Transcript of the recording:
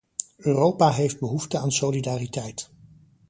Europa heeft behoefte aan solidariteit.